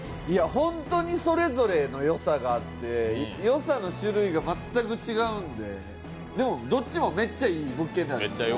本当にそれぞれのよさがあって、よさの種類が全く違うので、でもどっちもめっちゃいい物件なんです。